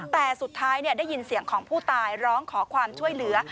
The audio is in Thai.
แต่สุดท้ายได้ยินเสียงของผู้ตายร้องขอความช่วยเหลือ